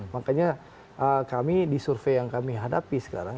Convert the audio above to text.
makanya kami di survei yang kami hadapi sekarang